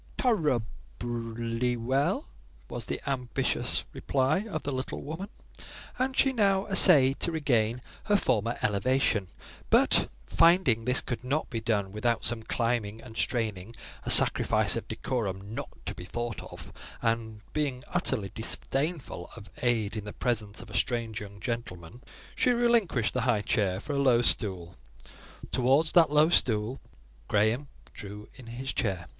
"Tor rer ably well," was the ambitious reply of the little woman and she now essayed to regain her former elevation, but finding this could not be done without some climbing and straining—a sacrifice of decorum not to be thought of—and being utterly disdainful of aid in the presence of a strange young gentleman, she relinquished the high chair for a low stool: towards that low stool Graham drew in his chair.